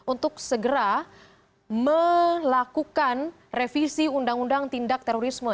untuk segera melakukan revisi undang undang tindak terorisme